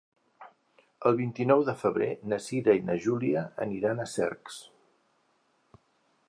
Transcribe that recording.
El vint-i-nou de febrer na Cira i na Júlia aniran a Cercs.